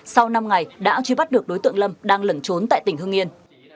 sau năm ngày đã truy bắt được đối tượng lâm đang lẩn trốn tại tỉnh hưng yên